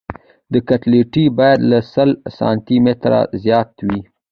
ډکټیلیټي باید له سل سانتي مترو زیاته وي